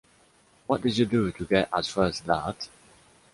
What did you do to get as far as that?